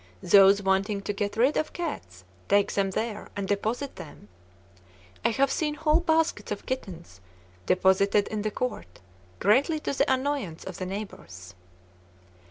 Those wanting to get rid of cats take them there and deposit them. I have seen whole baskets of kittens deposited in the court, greatly to the annoyance of the neighbors."